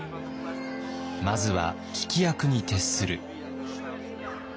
まずは聞き役に徹する。